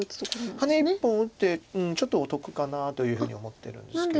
ハネ１本打ってちょっとお得かなというふうに思ってるんですけど。